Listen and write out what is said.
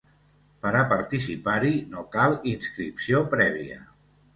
Per a participar-hi no cal inscripció prèvia.